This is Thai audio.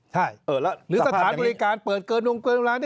ใช่หรือสถานบริการเปิดเกลิ่นลง